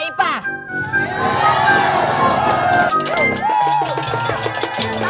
kita pindah ke kebun belakang